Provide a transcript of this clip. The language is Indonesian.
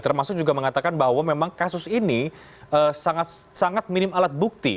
termasuk juga mengatakan bahwa memang kasus ini sangat minim alat bukti